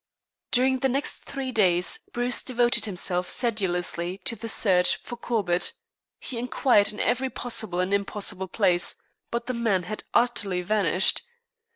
During the next three days Bruce devoted himself sedulously to the search for Corbett. He inquired in every possible and impossible place, but the man had utterly vanished.